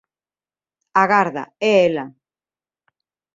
Agarda, é ela.